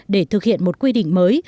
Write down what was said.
để thực hiện một quy định mới